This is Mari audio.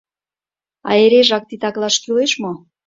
А эрежак титаклаш кӱлеш мо?